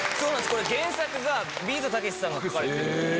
これ原作がビートたけしさんが書かれてる。